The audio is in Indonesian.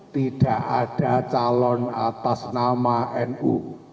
tidak ada calon atas nama nu